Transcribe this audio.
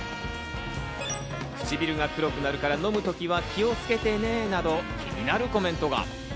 唇が黒くなるから飲むときは気をつけてねなど、気になるコメントが。